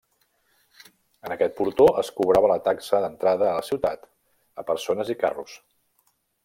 En aquest portó es cobrava la taxa d'entrada a la ciutat a persones i carros.